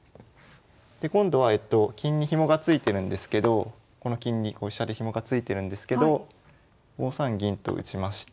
で今度は金にひもがついてるんですけどこの金に飛車でヒモがついてるんですけど５三銀と打ちまして。